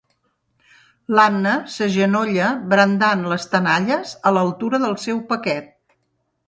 L'Anna s'agenolla brandant les tenalles a l'altura del seu paquet.